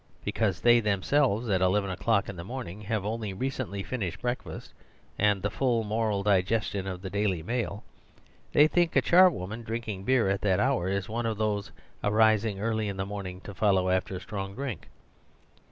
Because they themselves, at eleven o'clock in the morning, have only re cently finished breakfast and the full moral digestion of the Daily Mail, they think a char woman drinking beer at that hour is one of those arising early in the morning to follow after strong drink.